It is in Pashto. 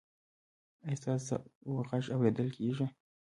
ایا ستاسو غږ اوریدل کیږي؟